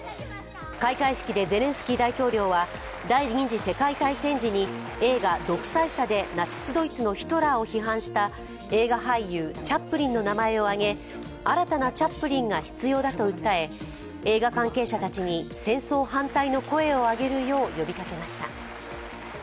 開会式でゼレンスキー大統領は第二次世界大戦時に映画「独裁者」でナチス・ドイツのヒトラーを批判した映画俳優・チャップリンの名前を挙げ、新たなチャップリンが必要だと訴え、映画関係者たちに戦争反対の声を上げるよう呼びかけました。